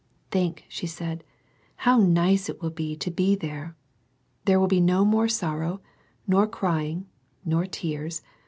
" Think," she said, " how nice it will be to be there ! There will be no more sorrow, nor crying, nor tears.